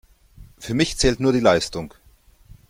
Für mich zählt nur die Leistung.